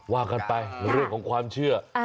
ว่ากันไปเรื่องของความเชื่อ